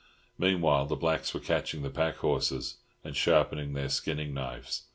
Meanwhile the blacks were catching the pack horses, and sharpening their skinning knives.